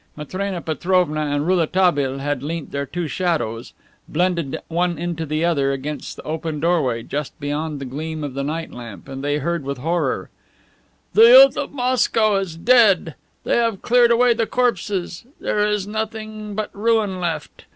Matrena Petrovna and Rouletabille had leant their two shadows, blended one into the other, against the open doorway just beyond the gleam of the night lamp, and they heard with horror: "The youth of Moscow is dead! They have cleared away the corpses. There is nothing but ruin left.